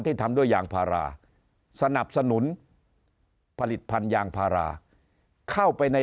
ทำด้วยยางพาราสนับสนุนผลิตภัณฑ์ยางพาราเข้าไปใน